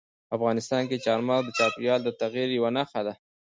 افغانستان کې چار مغز د چاپېریال د تغیر یوه نښه ده.